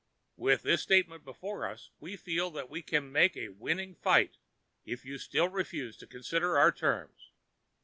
With this statement before us, we feel that we can make a winning fight if you still refuse to consider our terms.